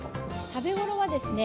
食べごろはですね